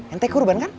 ente kurban kan